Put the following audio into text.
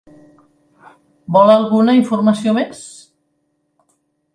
Vol alguna informació més?